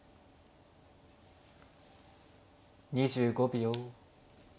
２５秒。